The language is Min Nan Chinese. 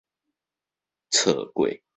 錯過